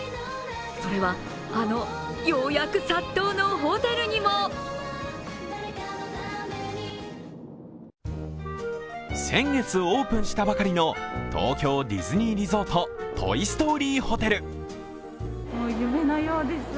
それは、あの予約殺到のホテルにも先月オープンしたばかりの東京ディズニーリゾートトイ・ストーリーホテル。